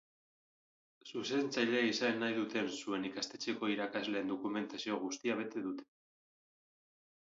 Zuzentzaile izan nahi duten zuen ikastetxeko irakasleen dokumentazio guztia bete dute.